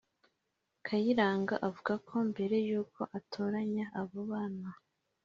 Kayiranga avuga ko mbere y’uko atoranya abo bana